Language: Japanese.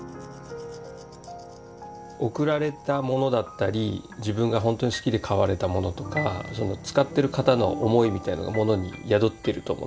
贈られたものだったり自分が本当に好きで買われたものとか使ってる方の思いみたいなのが物に宿っていると思うんですよ。